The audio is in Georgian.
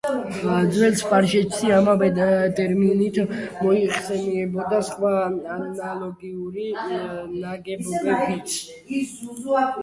ძველ სპარსეთში ამავე ტერმინით მოიხსენიებოდა სხვა ანალოგიური ნაგებობებიც.